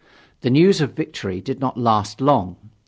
The news of victory did not last long.